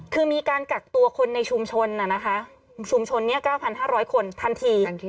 คือมีการกักตัวคนในชุมชนชุมชน๙๕๐๐คนทันที